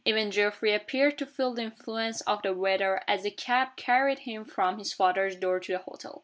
Even Geoffrey appeared to feel the influence of the weather as the cab carried him from his father's door to the hotel.